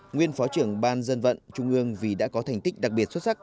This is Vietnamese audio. nguyên phó trưởng ban dân vận trung ương vì đã có thành tích đặc biệt xuất sắc